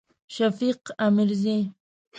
شفیق امیرزی